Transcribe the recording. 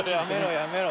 やめろ